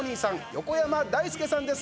横山だいすけさんです。